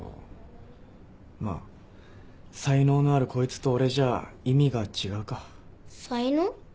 まあ才能のあるこいつと俺じゃ意味が違うか。